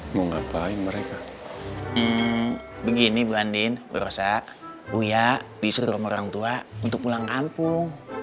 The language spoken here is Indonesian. mau ngapain mereka begini banding berusaha huya disuruh orangtua untuk pulang kampung